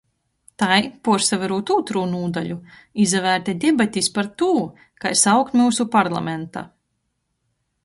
Tai, puorsaverūt ūtrū nūdaļu, izavērte debatis par tū, kai saukt myusu parlamenta.